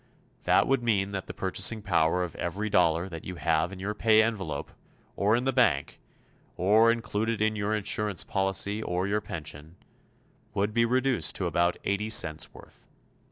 That would mean that the purchasing power of every dollar that you have in your pay envelope, or in the bank, or included in your insurance policy or your pension, would be reduced to about eighty centsą worth.